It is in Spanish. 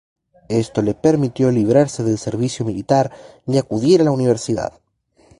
Esto le permitió librarse del servicio militar, y acudir a la universidad.